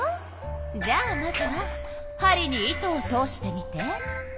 じゃあまずは針に糸を通してみて。